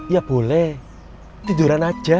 ya boleh tiduran aja